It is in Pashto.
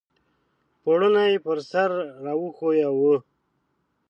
پوړنی پر سر را وښویوه !